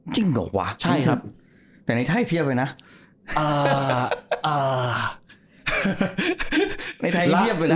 จริงเหรอวะแต่ในไทยเพียบเลยนะเอ่อเอ่อในไทยเพียบเลยนะ